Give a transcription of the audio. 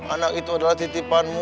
anak itu adalah titipanmu